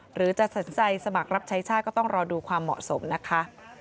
หรือจะสนใจสมัครรับใช้ชาติก็ต้องรอดูความเหมาะสมนะคะ